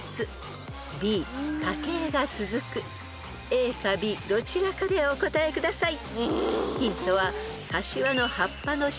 ［ＡかＢどちらかでお答えください］